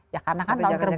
ya karena kan tahun terbang